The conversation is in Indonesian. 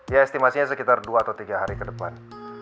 ya estimasinya sekitar dua atau tiga hari ke depan